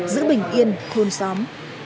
giữ bình yên khôn xóm